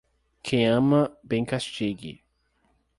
Quem ama, bem castigue.